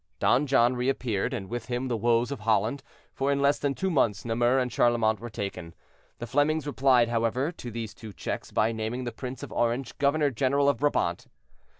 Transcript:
Don John reappeared, and with him the woes of Holland; for in less than two months Namur and Charlemont were taken. The Flemings replied, however, to these two checks by naming the Prince of Orange governor general of Brabant.